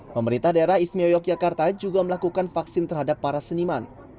pemerintah daerah istimewa yogyakarta juga melakukan vaksin terhadap para seniman